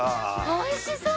おいしそう！